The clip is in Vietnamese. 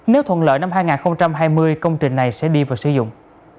nếu thuận lợi năm hai nghìn hai mươi công trình này sẽ đi vào sử dụng